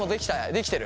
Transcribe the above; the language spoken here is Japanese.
できてる？